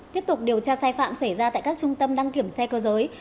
tiếp tục điều tra sai phạm xảy ra tại các trung tâm đăng kiểm xe cơ giới